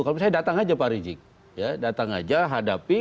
kalau misalnya datang aja pak rizik ya datang aja hadapi